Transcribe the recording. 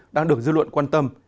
đang được dư luận quan tâm